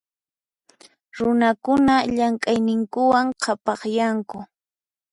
Runakuna llamk'ayninkuwan qhapaqyanku.